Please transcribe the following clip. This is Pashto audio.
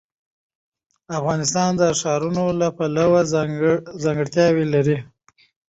افغانستان د ښارونو له پلوه ځانګړتیاوې لري.